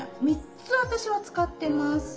３つ私は使ってます。